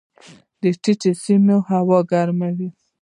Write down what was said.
د ټیټې سیمې هوا ګرمې وي.